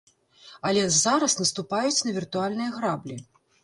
Але зараз наступаюць на віртуальныя граблі.